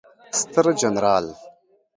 ستر جنرال